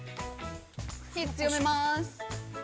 ◆火、強めます。